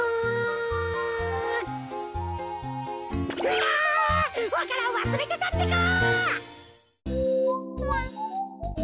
わか蘭わすれてたってか！